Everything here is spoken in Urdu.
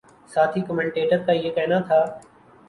ساتھی کمنٹیٹر کا یہ کہنا تھا